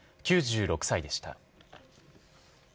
９６歳でした。